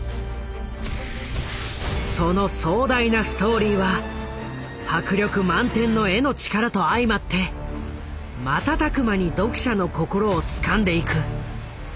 その壮大なストーリーは迫力満点の絵の力と相まって瞬く間に読者の心をつかんでいく。